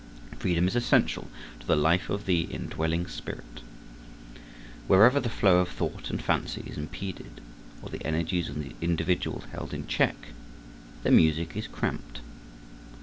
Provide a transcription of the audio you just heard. Freedom is essential to the life of the indwelling spirit. Wherever the flow of thought and fancy is impeded, or the energies of the individual held in check, there music is cramped.